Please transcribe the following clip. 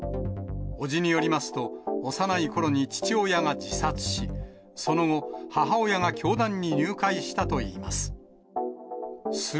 伯父によりますと、幼いころに父親が自殺し、その後、母親が教団に入会したといいます。